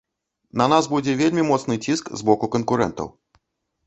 На нас будзе вельмі моцны ціск з боку канкурэнтаў.